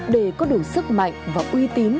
để có đủ sức mạnh và uy tín